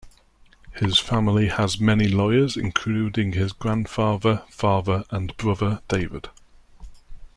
His family has many lawyers, including his grandfather, father and brother David.